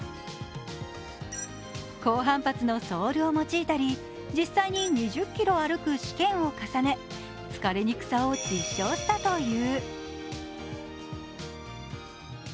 高反発のソールを用いたり実際に２０ｋｍ歩く試験を重ね疲れにくさを実証したという。